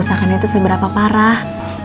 usahanya itu seberapa parah